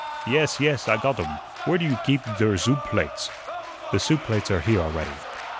"Yes, yes, I got um. Where do you geep der zoup blates?" "The soup plates are here already."